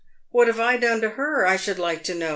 "What have I done to her, I should like to know